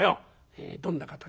「へえどんな形？